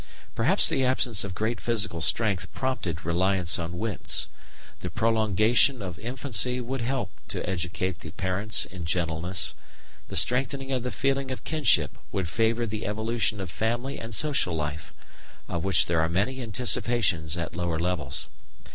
Perhaps the absence of great physical strength prompted reliance on wits; the prolongation of infancy would help to educate the parents in gentleness; the strengthening of the feeling of kinship would favour the evolution of family and social life of which there are many anticipations at lower levels.